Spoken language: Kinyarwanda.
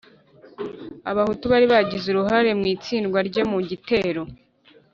Abahutu bari bagize uruhare mu itsindwa rye mu gitero